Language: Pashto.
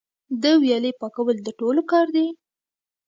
د ویالې پاکول د ټولو کار دی؟